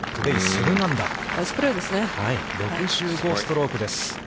６５ストロークです。